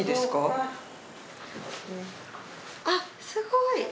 あっすごい！